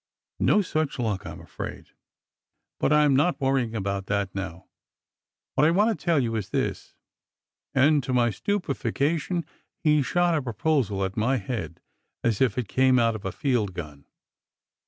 "No such luck, I m afraid. But I m not worrying about that now. What I want to tell you is this." And to my stupefaction he shot a proposal at my head as if it came out of a field gun.